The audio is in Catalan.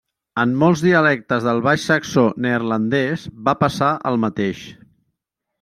En molts dialectes del baix saxó neerlandès, va passar el mateix.